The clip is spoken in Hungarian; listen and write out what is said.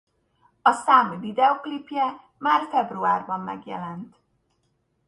A szám videoklipje már februárban megjelent.